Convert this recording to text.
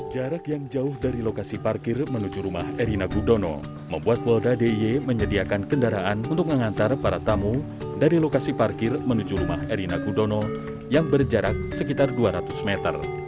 jarak yang jauh dari lokasi parkir menuju rumah erina gudono membuat polda d i y menyediakan kendaraan untuk mengantar para tamu dari lokasi parkir menuju rumah erina gudono yang berjarak sekitar dua ratus meter